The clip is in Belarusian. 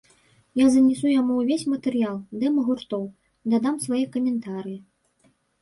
Я занясу яму ўвесь матэрыял, дэма гуртоў, дадам свае каментарыі.